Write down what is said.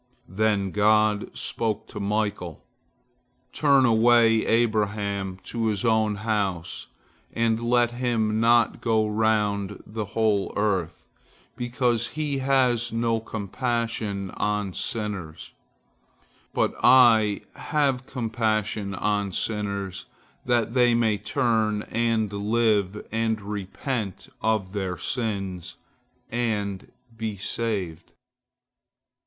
Then God spoke to Michael: "Turn away Abraham to his own house and let him not go round the whole earth, because he has no compassion on sinners, but I have compassion on sinners, that they may turn and live and repent of their sins, and be saved."